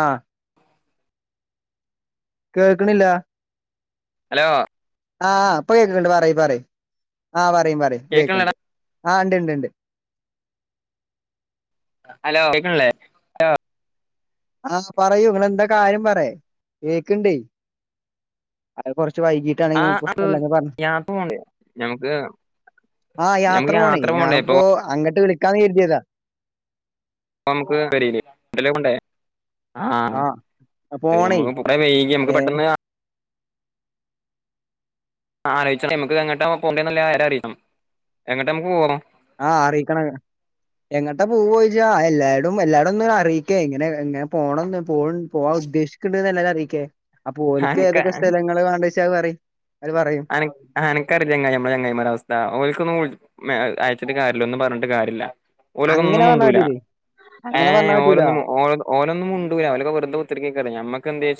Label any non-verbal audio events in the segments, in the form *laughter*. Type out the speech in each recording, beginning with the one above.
ആ കേക്ണില്ല ഹലോ ആ ഇപ്പ കേക്കണ്ട് പറി പറി ആ പറി പറി കേൾക്കണ്ട് കേക്കണില്ലടാ ആ ണ്ട് ണ്ട് ണ്ട് ഹലോ കേൾക്ക് ല്ലേ ഹലോ ആ പറയൂ നിങ്ങൾ എന്താ കാര്യം പറ കേക്ണ്ടെ അത് കുറച്ച് ആ വൈകിട്ടാണെങ്കിലും അത് പുശനല്ലങ്ക പറഞ്ഞ യാത്ര പോണ്ടേ നമുക്ക് ആ നമുക്ക് യാത്ര പോണെ പോണ്ടേ ഇപ്പൊ ഞാനിപ്പോ അങ്ങട്ട് വിളിക്കാന്ന് കരുതിതാ അപ്പ നമ്മക്ക് പരീല് ണ്ടെ ആഹ ആഹ് പോണേ ശമ്മക്ക് പുറേ വയികി നമുക്ക് ഏഹ് പെട്ടെന്ന് ആ ആലോയിച്ചണം നമക്ക് ഇത് എങ്ങട്ടാ പോണ്ടെ ന്ന്ള്ളെ അറിയണം എങ്ങട്ടാ നമ്മക്ക് പോവാ ആ അറിയിക്കണത് എങ്ങട്ടാ പൂവ്വോയ്ച്ചാ എല്ലാരൂടും എല്ലാടും ഒന്നും അറിയിക്കെ ഇങ്ങനെ ഇങ്ങനെ പോണം പോണ്ട് *unintelligible* ഉദ്ദേശിക്ണ്ട് എല്ലാരിമം അറിയിക്കേ അപ്പൊ ഓല്ക്ക് അനക്ക ഏതൊക്കെ സ്ഥലങ്ങള് വാണ്ട്ച്ച അത് പറയി അന ആ അനക്ക് അറിയില്ലേ ചെങ്ങായി നമ്മളെ ചെങ്ങായിമാരെ അവസ്ഥ ഓല്കൊന്നും വിള് അയച്ചിട്ട് കാര്യമില്ല ഒന്നും പറഞ്ഞിട്ട് കാര്യമില്ല ഓൻ അങ്ങനെ അതൊന്നും പറഞ്ഞാ മിണ്ടൂല പറ്റൂലേ ഏ അങ്ങനെ പറഞ്ഞാ പറ്റൂല ഓനൊന്നും ഓനൊന്നും മിണ്ടൂല അവനൊക്കെ വെറുതെ കുത്തായിരിക്കാണ് നമ്മക്ക്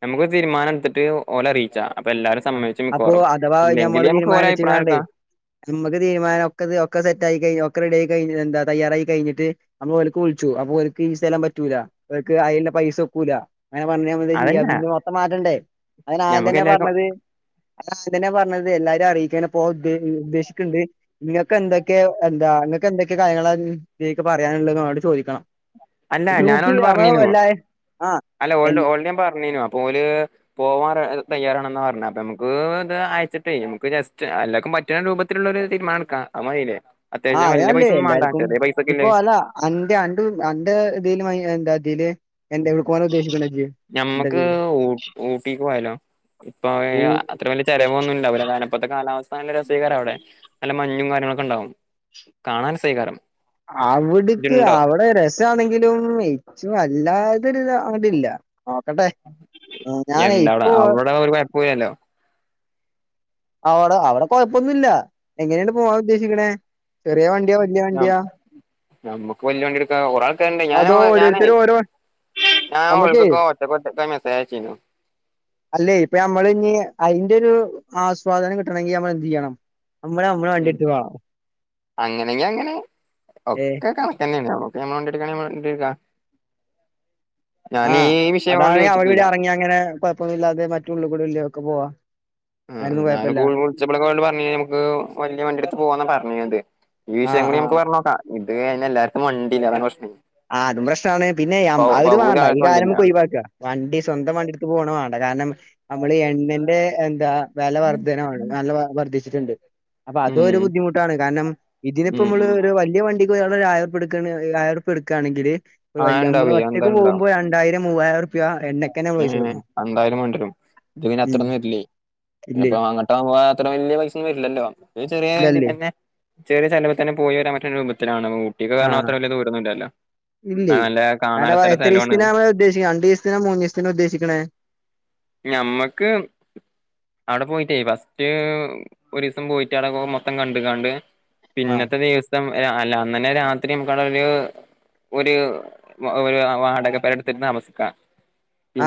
*inaudible* നമുക്ക് തീരുമാനം എടുത്തിട്ട് ഓനെ അറിയിച്ച അപ്പ എല്ലാവരും അപ്പോ അഥവാ നമ്മൾ തീരുമാനം ചെയ്യണ്ടേ *inaudible* നമ്മുക്ക് തീരുമാനം ഒക്ക ഒക്കെ സെറ്റ് ആയി കഴിഞ്ഞ് *inaudible* എന്താ തയാറായി കഴിഞ്ഞിട്ട് നമ്മക്ക് വിളിച്ചു അപ്പൊ ഇവർക്ക് ഈ സ്ഥലം പറ്റൂല്ല അതിൻ്റെ *inaudible* *inaudible* അങ്ങനെ പറഞ്ഞപോലെ ചെയ്യ അതല്ല പിന്നെ മൊത്തം മാറ്റണ്ടേ അങ്ങന ആദ്യം ഞമ്മക്ക് തന്നെ എല്ലാർക്കും പറഞ്ഞത് അത് തന്നെയാ പറഞ്ഞത് എല്ലാ വിരും അറിയിക്കാന പോണുണ്ട് ഉദ്ദേശിക്കണ്ട് നിങ്ങൾക്ക് എന്തൊക്കെ എന്തൊക്കെയ എന്ത നിങ്ങൾക്ക് എന്തൊക്കെ കാര്യങ്ങള *inaudible* പറയാനുള്ളത് അവരോട് ചോദിക്കണം അല്ല ഗ്രൂപ്പിൽ ഞാനോലോട് അവൾ പറഞ്ഞീനു *inaudible* അല്ല ഓളോട് ഓളോട് ഞാൻ പറഞ്ഞേനു അപ്പോ പോവാ തയ്യാറാണെന്നാ പറഞ്ഞത് അപ്പൊ നമുക്ക് ഇത് അയച്ചിട്ടേ നമുക്ക് ജസ്റ്റ് എല്ലാവർക്കും പറ്റുന്ന രൂപത്തിലുള്ള ഒരു തീരുമാനം എടുക്കാം അതു മതിയില്ലേ ആ അതല്ലേ എല്ലാവർക്കും ഇപ്പോ അല്ല അന്റെ എന്റെ ഇതിൽ *inaudible* ഇതിൽ എന്തേക്കു പോവാന ഉദ്ദേശിക്കുന്നേ നമ്മക്ക് ഊട്ടിക്ക് പോയാലോ ഇപ്പൊ ഓ അത്ര വലിയ ചെലവ് ഒന്നും ഇല്ല തണ്ണുപ്പത്തെ കാലാവസ്ഥ നല്ല രസീകര അവിടെ മഞ്ഞും കാര്യങ്ങളൊക്കെണ്ടാവും കാണാൻ *inaudible* അവിടുക്ക് ഇജ്ജ്ണ്ടോ അവിടെ രസമാണെങ്കിലും ഏറ്റും അല്ല *inaudible* അത് ഇല്ല നോക്കട്ടെ ഞാൻ എന്താ അവിടെ ഇപ്പൊ അവിടെ ഒരു കുഴപ്പൂല്ലല്ലോ അവിടെ അവിടെ കുഴപ്പൊന്നും ഇല്ല എങ്ങനെയാണ് പോവാൻ ഉദ്ദേശിക്കണേ ചെറിയ വണ്ടിയാ വലിയ വണ്ടിയാ നമ്മുക്ക് വലിയ വണ്ടി എടുക്കാ ഒരാ ഞാൻ അതോ ഞാനെ ഓരോരുത്തരും ഓരോ നമ്മുക്കേ അവർക്കൊക്കെ *inaudible* മെസ്സേജ് അയച്ചേർന്നു അല്ലെ പ്പഇപ്പോ നമ്മൾ ഇനി *inaudible* എന്റെ ഒരു ആസ്വാദനം കിട്ടണെങ്കിൽ നമ്മൾ എന്ത് ചെയ്യണം നമ്മൾ നമ്മളുടെ വണ്ടി എടുത്തിട്ട് പോണം അങ്ങനെങ്കിൽ അങ്ങനെ ഏഹ് ഒക്കെ കണക്ക് തന്നെയാണ് *inaudible* ആ അതാണ് അവടെ ഇവിടെ ഇറങ്ങി അങ്ങനെ കുഴപ്പൊന്നില്ലാതെ മറ്റു ഉള്ളിൽകൂടെ ഒക്കെ പോവാ ഉം അതിനൊന്നും ഞാൻ കൊഴപ്പല്ല വിളിച്ചപ്പോൾ പറഞ്ഞ കഴിഞ്ഞാൽ നമുക്ക് വലിയ വണ്ടി എടുത്തിട്ട് പോവാ പറഞ്ഞ അത് ഈ വിഷയം ആഹ് കൂടി നമുക്ക് ആഹ് പറഞ്ഞ് നോക്ക ഇത് എല്ലാവർക്കും വണ്ടില്ല അതാ പ്രശ്‌നം ആ അതും പ്രശ്നമാണ് പിന്നെ അത് പകുതി വേണ്ട ഈ ആൾക്കും കാര്യം വണ്ടിയില്ല നമ്മുക്ക് ഒഴിവാക്ക വണ്ടി സ്വന്തം വണ്ടി എടുത്ത് പോകണ വേണ്ട കാരണം നമ്മൾ എണ്ണന്റെ എന്താ വില വർധനമാണ് നല്ല വർധിച്ചിട്ടുണ്ട് അപ്പൊ അത് ഒരു ഉം ബുദ്ധിമുട്ടാണ് കാരണം ഇതിനി ഇപ്പോ ഉം നമ്മൾ ഉം വലിയ വണ്ടിക്ക് ഒരാളെ ആരും എടുക്കയാണെങ്കിൽ ആഹ് നമ്മൾ ഇണ്ടാവേ ഒറ്റയ്ക്ക് എന്തായാലും ഇണ്ടാവും പോകുമ്പോ രണ്ടായിരം മൂവായിരം റുപ്യ എണ്ണക്കന്നെ നമ്മള് പൈസ കൊടുക്കണം എന്തായാലും കൊണ്ടരും ഇത് പിന്നെ അത്ര ഉം വരില്ലേ ഇല്ലേ ഇനിപ്പം അങ്ങോട്ട് പോകുമ്പോ അത്ര വല പൈസ ഒന്നും വരില്ലല്ലോ ചെറിയ രീതി ഇല്ലല്ലേ തന്നെ ചെറിയ ചിലവിൽ തന്നെ പോയോ വരാൻ പറ്റുന്ന രൂപത്തിലാണ് ഊട്ടിക്ക് പോകാന ആഹ് അത്ര വലിയ ദൂരൊന്നും ഇല്ലല്ലോ ഇല്ലേ എന്ന നല്ല കാണുന്നുള്ള സ്ഥലമാണ് രണ്ടു ദിവസത്തിനോ മൂന്ന് ദിവസത്തിനോ ഉദ്ദേശിക്കണേ ഞമ്മക്ക് അവിടെ പോയിട്ടേ ഫസ്റ്റ് ഒരു ദിവസം പോയിട്ട് അവിടെ മൊത്തം കണ്ട് കണ്ട് പിന്നത്തെ ദിവസം അല്ല അന്ന തന്നെ രാത്രി നമുക്ക അവിടെ ഒരു ഒരു ഒരു വാടക പെര എടുത്തു താമസിക്കാം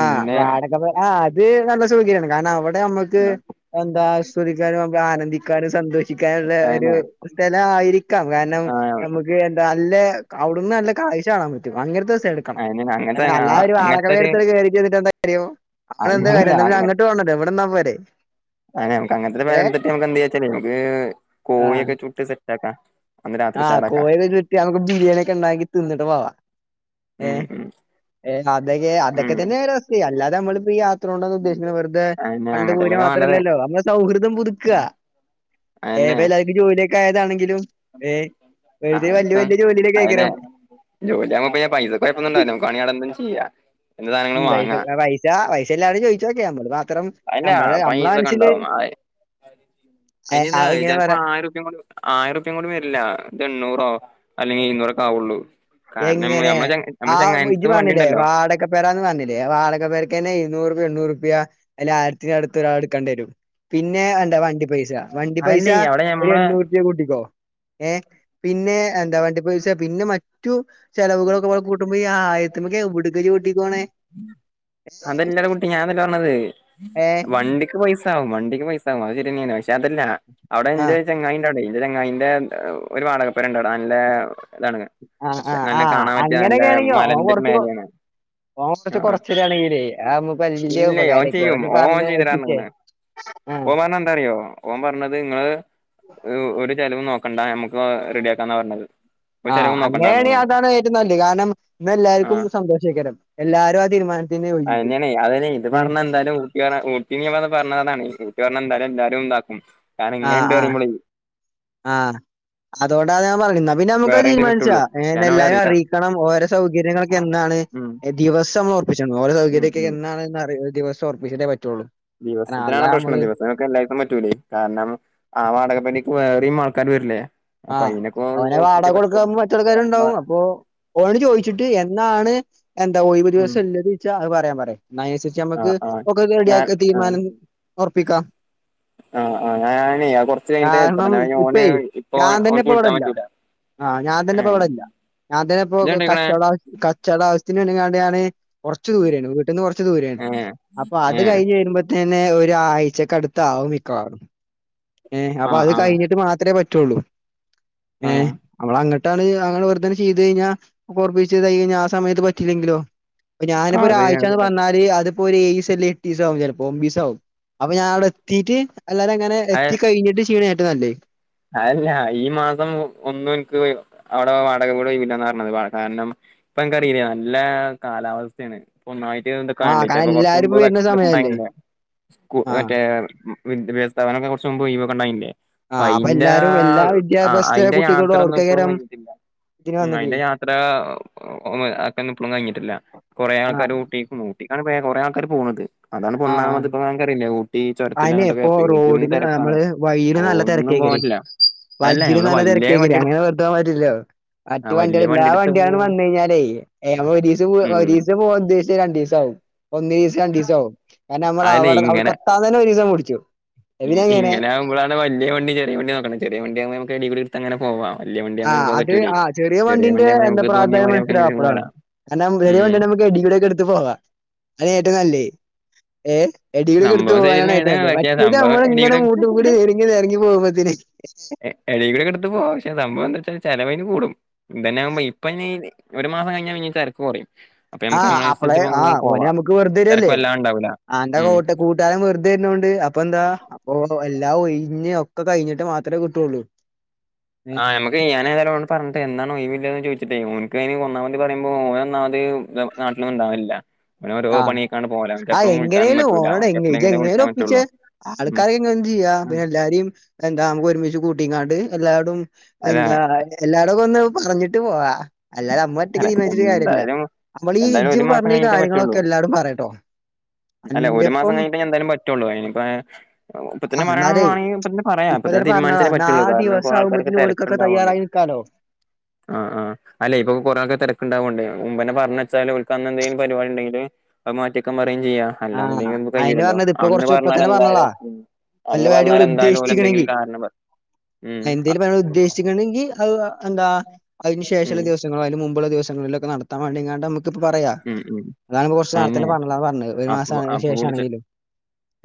ആ വാടക ആ അത് നല്ല സൗകര്യമാണ് കാരണം അവിടെ നമ്മുക്ക് ആ എന്താ ആനന്ദിക്കാനും സന്തോഷിക്കാനും ഉള്ള ഒരു അയന്നെ സ്ഥലം ആയിരിക്കാം കാരണം ആ നമുക്ക് നല്ല അവിടുന്ന് നല്ല കാഴ്ച കാണാൻ പറ്റും അങ്ങനത്തെ ഒരു സ്ഥലം എടുക്കണം അയന്നെ *inaudible* അങ്ങനത്തെ ആ *inaudible* അങ്ങനത്തൊരു *inaudible* അങ്ങെന്താ അങ്ങനല്ല കാര്യ അങ്ങോട്ട് പോണ്ടല്ലോ ഇവിടെ നിന്നാൽ പോരെേ അങ്ങെ നമുക്ക് അങ്ങനത്തെ പെര നമുക്ക് എന്താച്ച നമുക്ക് കോഴി ഒക്കെ ചുട്ട് സെറ്റ് ആക്കാം അന്ന് രാത്രി ആ ഉഷാറാക്കാം കോഴിചുട്ട് നമുക്ക് ബിരിയാണി ഒക്കെ ഉണ്ടാക്കി തിന്നിട്ട് പോവാ ഏ ഉം ഉം അതൊക്കെ അതൊക്കെ ഉം തന്നെ അല്ലാതെ നമ്മൾ ഇത്ര ഉണ്ടന്ന് ഉദ്ദേശിക്കുന്നത് വെറുതെ അയന്നെ കണ്ടുപോരാ അങ്ങനത്തന്നൊക്കെ വേണ്ടത് മാത്രമല്ലല്ലോ നമ്മുടെ സൗഹൃദം പുതുക്കുക അയന്നെ ഏവാ എല്ലാവർക്കും ജോലിയൊക്കെ ആയതാണെങ്കിലും ഏ ആ അയിനെ ജോലി ആകുബാ പൈസക്കെഴപ്പൊന്നുണ്ടാവില്ലല്ലോ നമുക്ക് വേണെ അവിടെ എന്തെങ്കിലും ഇ ഉ പൈസ പൈസ പൈസല്ലാടും ചോയിച്ച് നോക്കെ നമ്മള് മാത്രം നമ്മുടെ നമ്മളെ മനസ്സില് അതിനി ഏഹ് ഇത അത് ഇങ്ങനെ ചെൽപ്പാ പറയാ ആയിറുപിയ ആയിറുപിയ കൂടി വര- ല്ല ഇത് എണ്ണൂറോ അല്ലെങ്കിൽ ഇുന്നൂറക്കെ ആവുള്ളൂ കാരണം നമ്മള് എങ്ങനെ നമ്മളെ ആ നമ്മളെ ഇജ് ചങ്ങായിന്റടുത്ത് വണ്ടി പറഞ്ഞില്ലേ ഉണ്ടല്ലോ വാടകപ്പേരന്ന് പറഞ്ഞില്ലേ വാടകപ്പേരക്ക തന്നെ ഇഴുന്നൂറ് എന്നൂർറുപിയ അല്ല ആയിരത്തി അടുത്ത് ഒരാൾ എടുക്കേണ്ടി വരും പിന്നെ എന്താ വണ്ടി പൈസ വണ്ടി പൈസ അതല്ലേ അവിടെ ഒരു നമ്മളെ എണ്ണൂട്ടി രൂപ കൂട്ടിക്കോ ഏ പിന്നെ എന്താ വണ്ടിപ്പോ പിന്നെ മറ്റു ചെലവുകളൾക്കെവിടെ കൂട്ടുമ്പോ ഈ ആയിത്തിമാക്കെയാകും എവിടക്ക ചോട്ടിക്ക പോണേ അതെല്ലാടാ കുട്ടി ഞാനതല്ല പറഞ്ഞത് ഏ വണ്ടിക്ക് പൈസ ആകവും വണ്ടിക്ക് പൈസ ആവു അത് ശെരിയാന്നെയാണ് ല്അതല്ല അവിടെ എന്റെ ആഹ് ചെങ്ങായിന്റെ അടെ എന്റെ ചെങ്ങായിന്റെ ഒരു വാടകപ്പേരിണ്ട് അടാ നല്ല അതാണ് ആഹ് ആഹ് നല്ല ആഹ് കാണാൻ പറ്റിയ നല്ല മലന്റെ ഒരു മേലാണ് പോ കൊറച്ചുരിയാണെങ്കിൽ ഇല്ല ഓൻ ചെയ്യും ഓൻ പറഞ്ഞ് ഒപ്പിച്ചേ ചെയ്തിടന്നങ്ങനെ ആഹ് ഓൻ പറഞ്ഞ എന്താ അറിയോ ഓൻ പറഞ്ഞത് നിങ്ങള് ഒരു ചലവ് നോക്ക- ണ്ടാ നമുക്ക് റെഡിയ ആക്കാന്നാപറഞ്ഞത് ആഹ് അങ്ങനെയാണെ അതാണ് ഏറ്റവും നല്ലത് കാരണം ഇന്ന് എല്ലാവർക്കും സന്തോഷിക്കണം എല്ലാരും ആ തീരുമാനം അതെയാണ് അതല്ലെ ഇത് പറഞ്ഞ എന്തായാലും ഊട്ടി പറ ഊട്ടി നത് പറഞ്ഞതാണ ഊട്ടി പറഞ്ഞ എന്താലും എല്ലാരും ഇതാക്കും കാർണം ആഹ് ഇങ്ങനെണ്ട് ആഹ് പറയുബോളി പറ പിന്നെ നമുക്കത് തീരുമാനിച്ച ഞാൻ ഓളെ എല്ലരെയും അറിയിക്കാം അറിയിക്കണം ഓരോ സൗകര്യങ്ങളൊക്കെ എന്താണ് ഉം ദിവസം പക്ഷെ ഓര ഉം സൗകര്യൊക്കെ ഉം എന്നാണ് ദിവസം ഉറപ്പിച്ചിട്ടേ - ദിവസത്തിനാണ് പ്രശ്നം ദിവസംക്കെ എല്ലർക്കും പറ്റും കാരണം ആ വാടകപ്പനിക്ക് വേറെയും ആൾക്കാാര് വരില്ലേ അപ്പൊ ആഹ് അതിനെ കു അവനെ വാടക കൊടുക്കാപോ മറ്റുള്ളക്കരുണ്ടാവും അപ്പൊ ഓനോട്‌ ചോദിച്ചിട്ട് എന്നാണ് എന്താഓയി - ഒരു ഉം ദിവസഎന്നത് വച്ചാ പറയാ പറ എന്ന അതിനുസരിച്ച് നമുക്ക് ആഹ് ആഹ് ഒക്കെ ഞാൻ റെഡിയാക്ക തീരുമാനം ഉറപ്പിക്കാം ആ ആ് ഞാന കുറച്ച് കഴിഞ്ഞട്ട് കാരണം ഇപ്പത്തന്നെ ഇപ്പേ ഓന് ഞാൻ തന്നെ ഓൻക്ക് ഇപ്പ വിളിച്ചാൻ ഇവിടില്ല പറ്റൂല ആഹ് ഞാൻ തന്നെപ്പോ ഏഹ് ഇവിടെല്ല ഞാൻ തന്നെ ഇപ്പോ ഇജ്ജ് കണ്ട്ക്ക്ണ് കച്ചടവ കച്ചവടം ആവ്യത്തിന് വേണ്ടി വണ്ടിണ് കൊറച്ച് ദൂരയാണ് വീട്ടന്ന് കുറച്ച് ദൂരെയാണ് ഏഹ് അപ്പാ അത് ഏഹ് കഴിഞ്ഞു കഴിയുബത്തിനെ - ഒരാഴ്ചക്കടുത്തആവും മിക്കവാറും ഏ അപ്പൊ ആഹ് അത് ആഹ് കഴിഞ്ഞിട്ട് മാത്രമേ പറ്റുള്ളൂ ഏ ആഹ് നമ്മളങ്ങ- ട്ടാണ് അങ്ങനെ വർധന ചെയ്ത് കഴിഞ്ഞാ കൊറപ്പിച്ചത് കഴിഞ്ഞാ ആ സമയത്ത് പറ്റില്ലെങ്കിലോ ഞാനിപ്പോ ആഹ് ശരിയാണ് ഒരാഴ്ചന്ന് ശരിയാണ് പറഞ്ഞാല് അത് ഇപ്പൊ എഴിസം എട്ടീസം ആകും ചിലപ്പോൾ ഓൻബാസ ആകും അപ്പൊ ഞാന അവിടെ എത്തിട്ട് എല്ലാരും അങ്ങനെ അഹ് എത്തി കഴിഞ്ഞിട്ട് ചെയീണ ഏറ്റവും നല്ലേ അതല്ല ഈ മാസം ഒന്നും എനിക്ക് അവിടെ വാടക വീടെ ഒഴിവില്ല ഇല്ലന്ന് പറഞ്ഞത് കാരണം ഇപ്പൊ എനക്ക്റിയില്ലേ നല്ല കാലാവസ്ഥയാണ് ഇപ്പൊ ഒന്നായി ആഹ് ക്കാണ്ടേ കാരണം ചെലപ്പോ കൊറച്ച എല്ലാരും ഇപ്പ വരുന്ന സമയല്ലേ മുമ്പ്ണ്ടില്ലേ ക്കു ആഹ് മറ്റേ വിദ്യാഭ്യാസഥപനംക്കെ കുറച്ച് മുമ്പ് ഒഴിവക്കണ്ടായില്ലേ ആഹ് അപ്പൊ അയിന്റെ എല്ലാരും എല്ലാ അ വിദ്യാഭ്യാസത്തെ അയിന്റെ കുട്ടികളും യാത്രയൊന്നും ഇപ്പഴും അവർക്കകരം കഴിഞ്ഞിട്ടില്ല ഇതിന് ഉ വന്നക്ക് അതിന്റെ യാത്ര അക്കെന്ന ഇപ്പോഴും കഴങ്ങഞ്ഞിട്ടില്ല കൊറെ ആഹ് ആൾക്കാര് ഊട്ടിക്ക്പോകും കൊറെ ആൾക്കാര് പോന്നത് അതാണിപ്പ ആഹ് ഒന്നാമതിപ്പോ നിക്കറിയില്ലേ ഈ ചുരത്തിന്റെ അയിനെ അങ്ങോട്ടൊക്കെ ഇപ്പൊ പേരും റോഡില് തിരക്കാണ് നമ്മള് ഓ ഒന്നും പോപറ്റില്ല വജി നല്ല തിരക്കേക്കരി അങ്ങനെ വെറുതെപോവാൻ പറ്റില്ലോ ആ മറ്റു വണ്ടിക വല്യ എല്ലാ വണ്ടി എടുത്ത് പോ വണ്ടിയെന്ന് വന്ന് കഴിഞ്ഞാലേ ഏ ഒരു ദിവസം ഒരു ഉം ദിവസ പോവാൻ ഉദ്ദേശിച്ച രണ്ടു ദിവസാവും ഒന്ന ദിവസം രണ്ട് ദിവസ ആവും കർണം നമ്മൾളാ അതല്ലേ അവിടെ ഇങ്ങനെ എത്താൻ തന്നെ ഒരീസം പിടിച്ചു പിന്നെ എങ്ങനെ ഇങ്ങനെ ആവുമ്പോഴാണ് വലിയ വണ്ടി ചെറിയ വണ്ടി നോക്കണ്ട ചെറിയ വണ്ടി ആകുമ്പോ നമ്മൾക്ക് എടേ അങ്ങനെ പോവാ വല്ല്യ വണ്ടിയാുമ്പോ ആഹ് നമുക്ക് അത് പറ്റൂലേ ആഹ് ചെറിയ വണ്ടീന്റെ വണ്ടിയായാകുമ്പോ നമക്ക് തോന്ന്യ മാരി എങ്ങനെ ലുംനമ്മൾക്ക് കേറാം കരണം ചെറ്യേ ഉം വണ്ടിയാണേൽ നമുക്ക് എടെകൂടെ ഒക്കെ എടുത്ത് പോവാം അത് ഏറ്റോം നല്ലേ ഏ എടീക്കൂടെ എടുത്ത് സംഭവം പോകാനാണ് ഏറ്റോം ശരിയന്നെയാണ് നല്ലേ പക്ഷെ മറ്റേത് സംഭവം നമ്മള ഇങ്ങനെ എടീകൂടെ മൂട്ടു കൂടി നെരങ്ങി നേരങ്ങി പോകുമ്പോത്തിനേ എടെ കൂടെടുത്ത് പോവാ പക്ഷെ സംഭവന്താ വച്ചാൽ ചിലവയ്ന് കൂടും ഇതന്നെ ആകുമ്പ ഇപ്പ ആയ്ന് ഒരു മാസം കഴിഞ്ഞാൽ തിരക്ക് കുറയും അപ്പൊ ആ നമുക്ക് അപ്പളെ നമ്മളനുസരിച്ച് ആ അങ്ങനെ ഓനെ പോവാം നമ്മുക്ക് വെറുത തിരക്ക് തരല്ലേ വല്ലാതെ ഉണ്ടാവൂല ആന്റ ഉം കോട്ട് കൂട്ടുകാരൻ വെറുതെ ഇരുന്നോണ്ട് അപ്പൊ എന്താ അപ്പൊ എല്ലാ ഒഴിഞ്ഞ് ഒക്കെ കഴിഞ്ഞിട്ട് മാത്രേ കിട്ടുള്ളു ആ നമക്ക് ഞാൻ ഏതായാലും ഓനോട് പറഞിട്ടെ എന്നാണ് ഒയിവുള്ളേ ചോദിച്ചിട്ടേ ഓൻ കയിന് ഒന്നാമത് പറയുമ്പോ ഓന് ഒന്നാമത് നാട്ടിലൊന്നും ഉണ്ടാവല്ല്ല ആ ആ എങ്ങനേലും പറ്റൂല ഓനോട് അവനക്ക് ഇജ്ജ് എപ്പോഴെങ്കിലും എങ്ങനേലും വിളിച്ചാൻ ഒപ്പിച്ചേ പറ്റുള്ളൂ ഉം, ആൾക്കാര് *unintelligible* ചെയ്യാ ഉം. എല്ലാരേം എന്താ നമുക്ക് ഒരുമിച്ച് കൂട്ടീങ്ങാണ്ട് എല്ലാടോം അല്ല എന്താ എല്ലാടോം ഒന്ന് പറഞ്ഞിട്ട് പോവാ അല്ലാത നമ്മ ഒറ്റയ്ക്ക് അല്ല തീരുമാനിച്ചിട്ട് കാര്യമല്ല എന്തായാലും നമ്മൾ ഈ എന്തായാലും ഇജ്ജ് ഒരു മാസം പറഞ്ഞ ഈ കഴിഞ്ഞിട്ടേ കാര്യങ്ങളൊ പറ്റുള്ളൂ എല്ലാടും പറയട്ടോ അല്ല ഒരു മാസം അന്റൊപ്പം കഴിഞ്ഞിട്ട് എന്തായാലും പറ്റുള്ളൂ അയിനിപ്പ ഇപ്പ ആ തന്നെ പറയണ എന്നാലേ വേണെങ്കിൽ ഇപ്പൊതന്നേ പറയാ ഇപ്പ തന്നെ പറഞ്ഞതാ തീരുമാനിച്ചാലേ എന്നാ പറ്റുള്ളൂ ആ കാരണം ദിവസം കൊറേ ആൾക്കാർക്ക് ആകുമ്പോത്തിന് ഓൽക്കൊക്കെ തിരക്കുണ്ടാവോണ്ടേ തയ്യാറായി നിക്കാലോ ആ ആ അല്ലെ ഇപ്പൊ കുറെേ ആൾക്കാർക്ക് തിരക്ക് ഉണ്ടാവുകൊണ്ടേ മുൻപന്നെ പറഞ്ഞവച്ചാൽ ഓൽക്കെന്നെന്തെങ്കിലും പരിപാടി ഉണ്ടെങ്കിൽ അത് മാറ്റിവെക്കാൻ പറ ചെയ്യ ആഹ് അല്ലാന്നുണ്ടെങ്കിൽ അയിന് കയ്യൂല്ലല്ലോ പറഞ്ഞത് ഇപ്പൊ അന്ന് കുറച്ച് ഇപ്പ പറഞ്ഞാൽ തന്നെ പറഞ്ഞോളാ എന്തായാലും വല്ല അന്ന് പറഞ്ഞാൽ എന്തായാലും ഓല് എന്തെങ്കിലും കാരണം പറ ഉം എന്തെേലും പറയാൻ ഉദ്ദേശിക്കണ്ടെങ്കിൽ അത് എന്താ അതിനു ഉം ശേഷള്ള ദിവസങ്ങളോ അതിന് മുമ്പുള്ള ദിവസങ്ങളിലൊക്കെ നടത്താൻ വേണ്ടിങ്ങാണ്ട് നമുക്ക് ഇപ്പ പറയാ ഉം ഉം അതാണ് കുറച്ച് അയന്നെ നേരത്താന്നെ പറഞ്ഞാള പറഞ്ഞത് ഒരു അപ്പൊ മാസം അപ്പൊ കുടിച്ച് ശേഷാണെങ്കിലും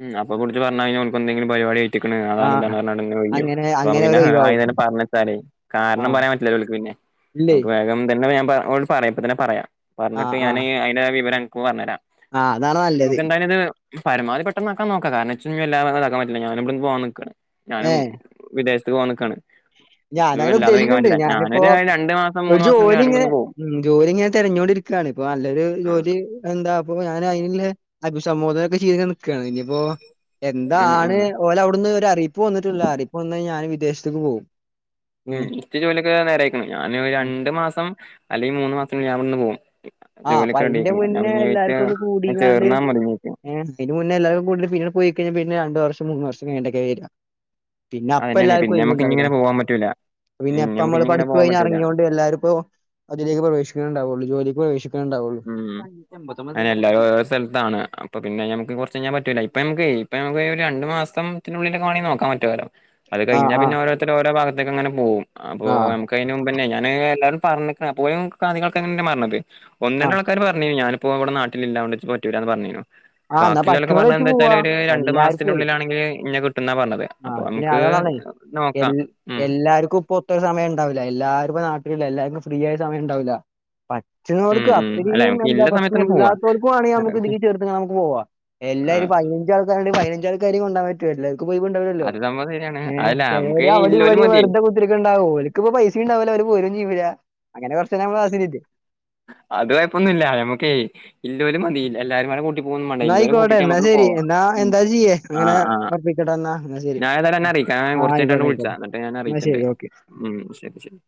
ഉം അപ്പൊ കുറച്ച് പഞ്ഞ് കഴിഞ്ഞാൽ ഓല്ക്ക് എന്തെങ്കിലും പരിപാടി ഏറ്റിക്കണ് അതാണ് ഇതാണ് ആഹ് പറഞ്ഞാണ്ടിങ്ങനെ ഒഴിഞ്ഞ് പോകും അങ്ങനെ ഇതാവുമ്പോ അങ്ങനെ പിന്നെ അവര് ഒഴിവാവും എന്തെകിലും പറഞ്ഞ കാരണം ആഹ് പറയാൻ പറ്റില്ലല്ലോക്ക് പിന്നെ ഇല്ലേ നമക്ക് വേഗം തന്നെ പറയാം ഇപ്പ തന്നെ പറയാം പറഞ്ഞിട്ട് ഞാന് അതിന്റെ വിവരം ഇങ്ങക്കും പറഞ്ഞു തരാം ആ അതാണ് നല്ലത് പരമാവധി പെട്ടെന്ന് ആക്കാൻ നോക്കാം കാരണംച്ചഞ്ഞാൽ എല്ലാം ഇതാക്കൻ പറ്റില്ല ഞാനും ഇവിടന്ന് പോവാൻ നിക്കേണ് ഞാനും ഏഹ് വിദേശ ത്ത് പോവാൻ നിക്കേണ് ഞാൻ അങ്ങനെ ഉദ്ദേശിക്കണ്ട് ഞാനിപ്പോ രണ്ട് മാസം ഒരു മൂന്ന് മാസം കഴിഞ്ഞ് ജോലി ഞാനും ഇങ്ങനെ ഇവിടുന്ന് പോകും ഉം ജോലി ഇങ്ങനെ തിരഞ്ഞോണ്ടിരിക്കാണ് ഇപ്പൊ നല്ലൊരു ജോലി എന്താ അപ്പൊ ഞാൻ അയിനുള്ള അഭിസംബോധന ഒക്കെ ചെയ്തു നിക്കാണ് ഇനിയിപ്പോ ഉം എന്താണ് ഉം ഓലെ അവിടുന്ന് ഒരു അറിയിപ്പ് വന്നിട്ടില്ല അറിയിപ്പ് വന്നാൽ ഞാൻ വിദേശത്തക്ക് പോകും ഉം ഇക്ക് ജോലിയൊക്കെ നേരായിക്കണ് ഞാന് രണ്ടു മാസം അല്ലെങ്കിൽ മൂന്ന് മാസം ഞാൻവിടുന്ന് പോകും ആഹ് അപ്പൊ ജോലിയൊക്കെ അയിന്റെ റെഡിയായിക്കണ് മുന്നേ *unintelligible* ഞാൻ ചേർന്നാ മതി അതിന്റെ മുന്നെ എല്ലാവരും കൂടിയിട്ട് പിന്നെ പോയികഴിഞ്ഞാ പിന്നെ രണ്ട് വർഷം മൂന്ന് വർഷം കഴിഞ്ഞിട്ടൊക്കെ വര പിന്നെ അപ്പ അതന്നെയാണ് എല്ലാർക്കും പിന്നെ നമുക്ക് ഇനി ഒഴിവുണ്ടാവില്ലേ ഇങ്ങനെ പോവാൻ പറ്റൂല പിന്നെ പിന്നെപ്പ നമുക്ക് നമ്മള് ഇനി ഇങ്ങനെ പഠിപ്പ് പോവാൻ കഴിഞ്ഞ് പറ്റൂല ഇറങ്ങിയോണ്ട് എല്ലാരുപ്പോ അതിലേക്ക് പ്രവേശിക്കണ്ടാവുള്ളൂ ജോലിക്ക് പ്രവേശിക്കും ഉം അങ്ങനെ എല്ലാരും ഓരോരോ സ്ഥലത്താണ് അപ്പൊ പിന്നെ ഞമ്മക്ക് കുറച്ച് കഴിഞ്ഞാൽ പറ്റൂല ഇപ്പ നമുക്കെ ഇപ്പ നമുക്ക് ഒരു രണ്ട് മാസത്തിനുള്ളിലൊക്കെ നോക്കാൻ പറ്റോലോ അത് ആഹ് കഴിഞ്ഞാ പിന്നെ ആഹ് ഓരോരുത്തര് ഓരോ ഭാഗത്തേക്ക് അങ്ങനെ പോവും അപ്പൊ ആഹ് നമുക്കയിന് മുമ്പന്നെ ഞാന് എല്ലാരും പറഞ്ഞ്ക്കണ് അപ്പോയും അധിക ആൾക്കാരെന്നെ പറഞ്ഞത് ഒന്ന് ആ രണ്ട് ആൾക്കാര് പറഞ്ഞ് ഞാനും അപ്പോ ഇവിടെ നാട്ടിലില്ല അതോണ്ട്ച്ച് പറ്റില്ല പറഞ്ഞേനു ആ എന്ന പറ്റ്യോരായിട്ട് പോവാ രണ്ട് എല്ലാർക്കെ മാസത്തിനുള്ളിലാണെങ്കിൽ ഇന്നെ കിട്ടുന്നാ പറഞ്ഞത് ആ അപ്പൊ പിന്നെ നമുക്ക് അത് അതാണേ എൽ നോക്കാം ഉം എല്ലാർക്കും ഇപ്പൊ ഒത്ത സമയം ഉണ്ടാവില്ല എല്ലാര് ഇപ്പോ നാട്ടിലില്ല എല്ലാർക്കും ഫ്രീ ആയ സമയം ഉണ്ടാവുല്ല ഉം പറ്റണോർക്ക് ഉം അല്ല അത്രേം നമുക്ക് എന്താ ഇല്ല സമയത്തന്നെ പോവാ പ്രശ്നല്ലാത്തോർക്ക് വേണെങ്കിൽ നമുക്ക് ഇതിക്ക് ചേർത്ത് നമുക്ക് പോവാം ആ എല്ലാരും പതിനഞ്ച് ആൾക്കാര്ണ്ടേൽ പതിനഞ്ചാൾക്കാരേം കൊണ്ടാവാൻ പറ്റോ എല്ലാവർക്കുപ്പൊ ഒയിവ് ഉണ്ടാവില്ലല്ലോ അത് സംഭവം ശരിയാണ് ഏ അതല്ല ചിലര് നമുക്ക് അവിടേം ഇല്ലോല് ഇവിടേം മതി വെറുതെ കുത്തിരിക്കനുണ്ടാവും ഓർക്കിപ്പോ പൈസ ഇണ്ടാവീലാ ഒര് പോരും ചെയ്യൂല അങ്ങനെ കുറച്ച് കഴിയുമ്പോ അസിഡിറ്റി അത് കൊയപ്പൊന്നുല്ല നമ്മുക്കേ ഇല്ലോരു മതി എല്ലാരും കൂടെ കൂട്ടി വേണ്ട എന്നാ ഇല്ലോരെ ആയിക്കോട്ടെ കൂട്ടിട്ട് എന്നാ നമ്മക്കങ്ങ് ശരി പോവാ എന്നാ എന്താ ചെയ്യേ ആ അങ്ങനെ ആ ഉറപ്പിക്കട്ടെ എന്നാ എന്നാ ശരി ഞാനേതായാലന്നെ അറിയി ഞാൻ ആ കുറച്ചകഴിഞ്ഞട്ട് അന്നെ ആയിക്കോട്ടെ വിളിച്ചാ ആയിക്കോട്ടെ എന്നിട്ട് ഞാൻ എന്നാ അറിയിച്ചിണ്ട് ശരി ഓക്കെ ഉ ശരി ശരി